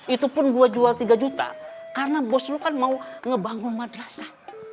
itu pun gua jual tiga juta karena bos lu kan mau ngebangun madrasah